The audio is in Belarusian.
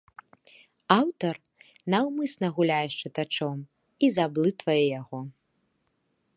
Аўтар наўмысна гуляе з чытачом і заблытвае яго.